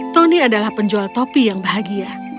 tony adalah penjual topi yang bahagia